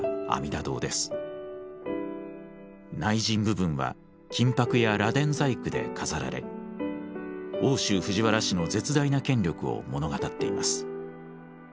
内陣部分は金箔や螺鈿細工で飾られ奥州藤原氏の絶大な権力を物語っています。